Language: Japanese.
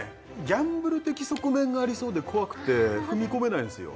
ギャンブル的側面がありそうで怖くて踏み込めないんですよ